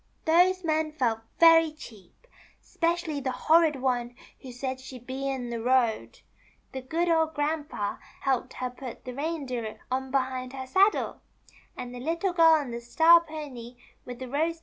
Those men felt very cheap, 'specially the horrid one who said 'She'd be in the road.' The good old Grandpa helped her put the Reindeer on behind her saddle, and the Little Girl on the Star pony Avith the 322 THE CHILDREN'S WONDER BOOK.